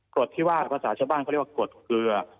กรดที่ว่าภาษาชาวบ้านเขาเรียกว่ากรดเกลือ